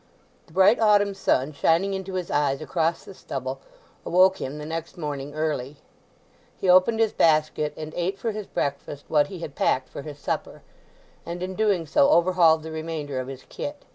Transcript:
The bright autumn sun shining into his eyes across the stubble awoke him the next morning early. He opened his basket and ate for his breakfast what he had packed for his supper; and in doing so overhauled the remainder of his kit.